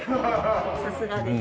さすがです。